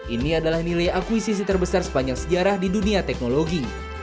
ini adalah nilai akuisisi terbesar sepanjang sejarah di dunia teknologi